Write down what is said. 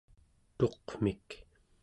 tuqmik